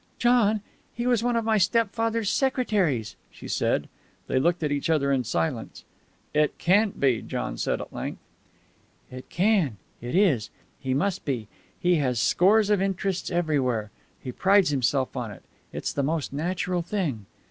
"John, he was one of my stepfather's secretaries," she said. They looked at each other in silence. "It can't be," said John at length. "It can. It is. He must be. He has scores of interests everywhere. He prides himself on it. It's the most natural thing."